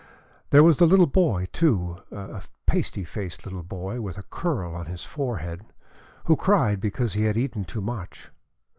There was the little boy, too a pasty faced little boy with a curl on his forehead, who cried because he had eaten too much.